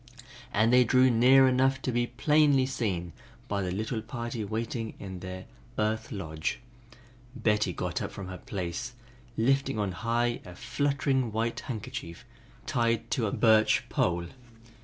As they drew near enough to be plainly seen by the little party waiting in their "earth lodge," Betty got up from her place, lifting on high a fluttering white handkerchief tied to a birch pole.